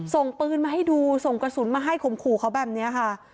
ส่งปืนมาให้ดูส่งกระสุนมาให้ข่มขู่เขาแบบนี้ค่ะ